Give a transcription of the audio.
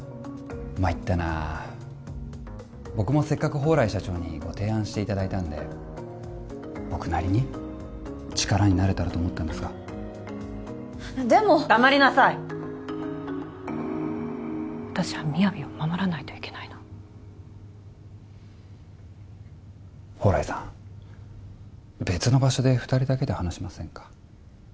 まいったな僕もせっかく宝来社長にご提案していただいたんで僕なりに力になれたらと思ったんですがでも黙りなさい私はＭＩＹＡＶＩを守らないといけないの宝来さん別の場所で二人だけで話しませんか？